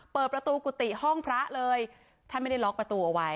เปิดประตูกุฏิห้องพระเลยท่านไม่ได้ล็อกประตูเอาไว้